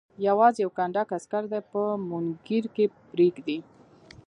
یوازې یو کنډک عسکر دې په مونګیر کې پرېږدي.